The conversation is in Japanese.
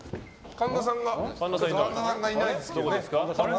神田さんがいないですけど。